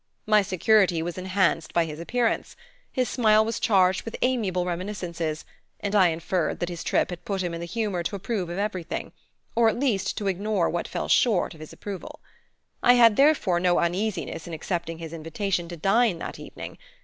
My security was enhanced by his appearance. His smile was charged with amiable reminiscences, and I inferred that his trip had put him in the humor to approve of everything, or at least to ignore what fell short of his approval. I had therefore no uneasiness in accepting his invitation to dine that evening.